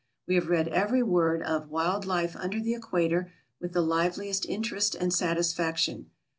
We have read every word of "Wild Life under the Equator" with the liveliest interest and satisfaction.